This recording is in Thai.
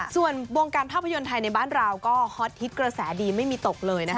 ส่วนวงการภาพยนตร์ไทยในบ้านเราก็ฮอตฮิตกระแสดีไม่มีตกเลยนะคะ